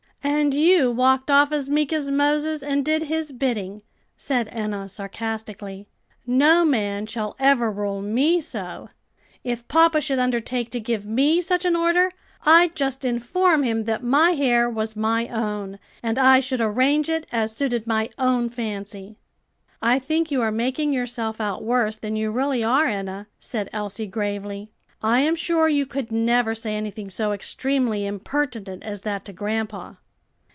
"And you walked off as meek as Moses, and did his bidding," said Enna sarcastically. "No man shall ever rule me so. If papa should undertake to give me such an order, I'd just inform him that my hair was my own, and I should arrange it as suited my own fancy." "I think you are making yourself out worse than you really are, Enna," said Elsie gravely. "I am sure you could never say anything so extremely impertinent as that to grandpa."